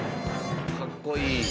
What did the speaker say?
かっこいい。